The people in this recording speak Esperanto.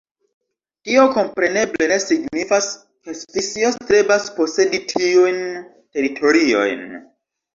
Tio kompreneble ne signifas, ke Svisio strebas posedi tiujn teritoriojn.